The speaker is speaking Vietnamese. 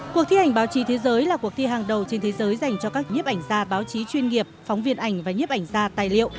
cuộc thi ảnh báo chí thế giới là cuộc thi hàng đầu trên thế giới dành cho các nhiếp ảnh gia báo chí chuyên nghiệp phóng viên ảnh và nhiếp ảnh gia tài liệu